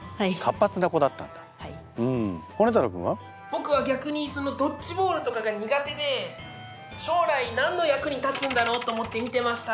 僕は逆にそのドッジボールとかが苦手で将来何の役に立つんだろうと思って見てました。